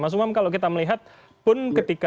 mas umam kalau kita melihat pun ketika